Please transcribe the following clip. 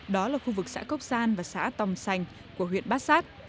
đó là khu vực xã cốc gian và xã tòm xanh của huyện bát sát